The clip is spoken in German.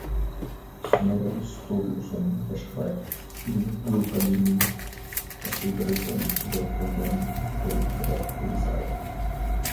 Snorri Sturluson beschreibt in Gylfaginning, dass die Brücke mit leuchtendem Gold bedeckt sei.